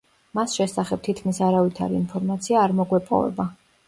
მას შესახებ თითქმის არავითარი ინფორმაცია არ მოგვეპოვება.